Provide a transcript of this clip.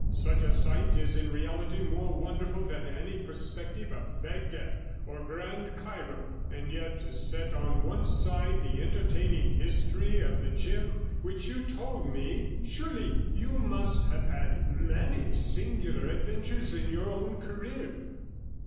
Such a sight is in reality more wonderful than any perspective of Baghdad or Grand Cairo. And, to set on one side the entertaining history of the gem which you told me, surely you must have had many singular adventures in your own career?'